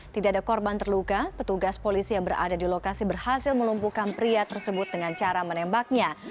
tidak ada korban terluka petugas polisi yang berada di lokasi berhasil melumpuhkan pria tersebut dengan cara menembaknya